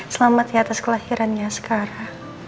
selamat ya atas kelahirannya asqara